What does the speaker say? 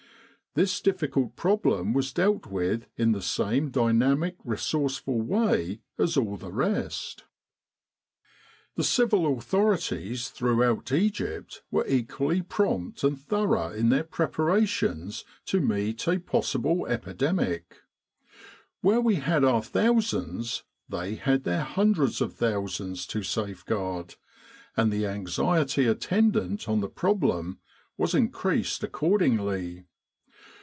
This difficult problem was dealt with in the same dynamic resource ful way as all the rest. 178 Epidemic Diseases The civil authorities throughout Egypt were equally prompt and thorough in their preparations to meet a possible epidemic. Where we had our thousands, they had their hundreds of thousands to safeguard, and the anxiety attendant on the problem was increased accordingly.